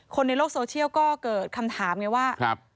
คนในโลกโซเชียลก็เกิดคำถามไงว่า